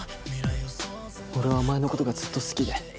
俺はお前の事がずっと好きで。